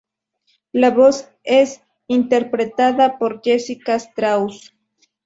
La voz es interpretada por Jessica Straus.